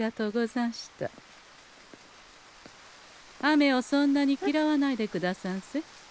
雨をそんなにきらわないでくださんせ。